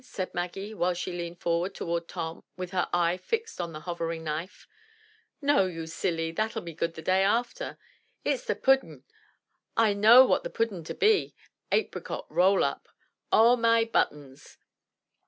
said Maggie, while she leaned forward towards Tom with her eye fixed on the hovering knife. "No, you silly, that'll be good the day after. It's the pudden. I know what the pudden's to be,— apricot roll up. O my buttons